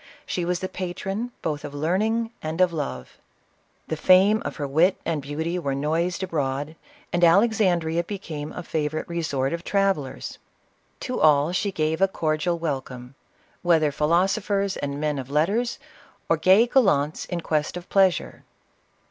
She was the patron, both of learning and of love. The fame of her wit and beauty was noised abroad, and 30 CLEOPATRA. Alexandrca became the favorite resort of travellers. To all she gave a cordial welcome, whether philoso phers and men of letters, or gay gallants in quest of pleasure.